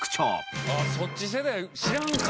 ああそっち世代知らんか。